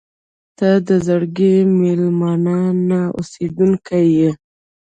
• ته د زړګي مېلمانه نه، اوسېدونکې یې.